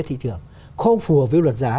thị trường không phù hợp với luật giá